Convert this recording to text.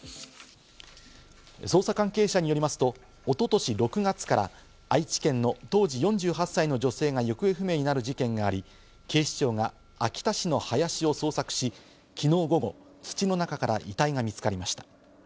捜査関係者によりますと、一昨年６月から愛知県の当時４８歳の女性が行方不明になる事件があり、警視庁が秋田市の林を捜索し、昨日午後、土の中から遺体が見つかりました。